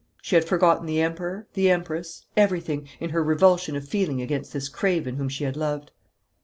She had forgotten the Emperor, the Empress, everything, in her revulsion of feeling against this craven whom she had loved.